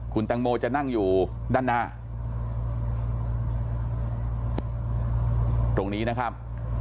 คุณแตงโมจะนั่งอยู่ด้านหน้าตรงนี้นะครับ